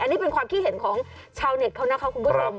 อันนี้เป็นความคิดเห็นของชาวเน็ตเขานะคะคุณผู้ชม